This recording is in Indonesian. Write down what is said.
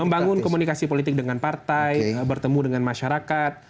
membangun komunikasi politik dengan partai bertemu dengan masyarakat